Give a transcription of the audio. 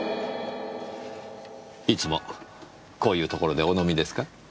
いつもこういうところでお飲みですか？